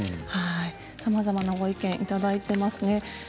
さまざまなご意見いただいていますね。